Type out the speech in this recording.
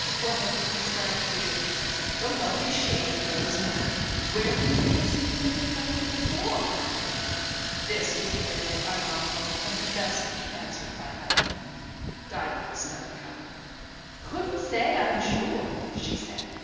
"What a pretty scarf, dear! That's a lovely shade of rose madder. Where can I have seen something like it before?" This was clearly ironical, and had best be answered by irony. Diva was no coward. "Couldn't say, I'm sure," she said.